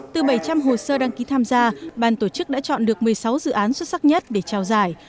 từ bảy trăm linh hồ sơ đăng ký tham gia bàn tổ chức đã chọn được một mươi sáu dự án xuất sắc nhất để trao giải